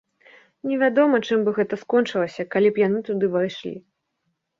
Невядома чым бы гэта скончылася, калі б яны туды ўвайшлі.